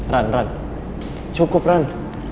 ran ran cukup ran